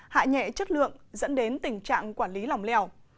hạ nhẹ chất lượng dẫn đến tình trạng quản lý lòng lèo